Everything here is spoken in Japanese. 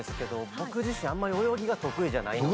僕自身あんまり泳ぎが得意じゃないので。